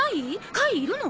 貝いるの？